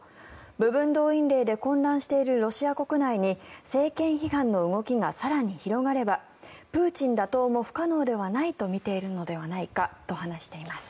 部分動員令で混乱しているロシア国内に政権批判の動きが更に広がればプーチン打倒も不可能ではないと見ているのではないかと話しています。